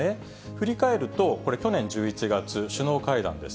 振り返ると、これ、去年１１月、首脳会談です。